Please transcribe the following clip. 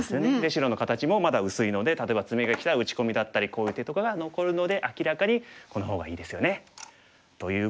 白の形もまだ薄いので例えばツメがきたら打ち込みだったりこういう手とかが残るので明らかにこの方がいいですよね。ということで。